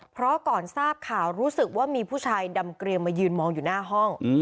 เพราะก่อนทราบข่าวรู้สึกว่ามีผู้ชายดำเกลียมมายืนมองอยู่หน้าห้อง